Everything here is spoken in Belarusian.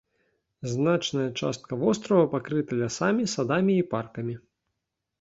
Значная частка вострава пакрыта лясамі, садамі і паркамі.